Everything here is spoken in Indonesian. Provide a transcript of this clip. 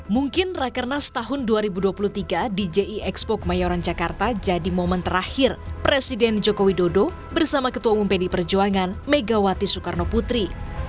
mungkin rakerna setahun dua ribu dua puluh tiga di jiexpo kemayoran jakarta jadi momen terakhir presiden jokowi dodo bersama ketua umum pd perjuangan megawati soekarnoputri